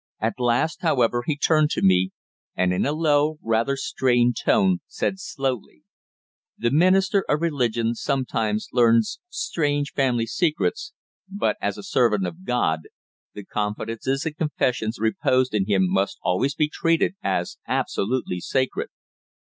At last, however, he turned to me, and in a low, rather strained tone said slowly "The minister of religion sometimes learns strange family secrets, but, as a servant of God, the confidences and confessions reposed in him must always be treated as absolutely sacred.